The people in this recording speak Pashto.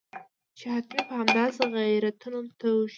چې حتمي به همداسې غیرتونه توږي.